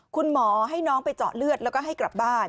คุณหมอให้น้องไปเจาะเลือดแล้วก็ให้กลับบ้าน